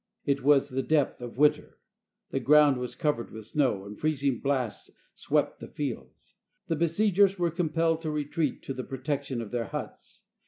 It was the depth of winter. The ground was covered 330 THE COMMAND OF MARIA THERESA with snow, and freezing blasts swept the fields. The be siegers were compelled to retreat to the protection of their huts.